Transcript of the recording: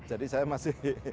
jadi saya masih